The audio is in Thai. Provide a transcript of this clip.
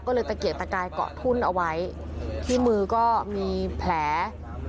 ก็เลยตะเกียกตะกายเกาะทุ่นเอาไว้ที่มือก็มีแผล